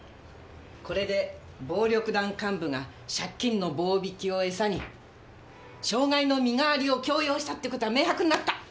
これで暴力団幹部が借金の棒引きをエサに傷害の身代わりを強要したって事は明白になった。ね？